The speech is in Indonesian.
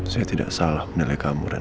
saya tidak salah menilai kamu ren